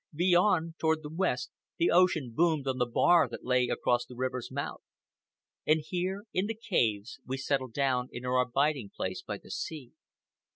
Beyond, toward the west, the ocean boomed on the bar that lay across the river's mouth. And here, in the caves, we settled down in our abiding place by the sea.